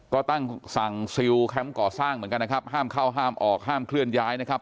ก็ตั้งสั่งซิลแคมป์ก่อสร้างเหมือนกันนะครับห้ามเข้าห้ามออกห้ามเคลื่อนย้ายนะครับ